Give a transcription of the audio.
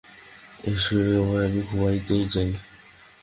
এই সময় আমি ঘুমুতে যাই।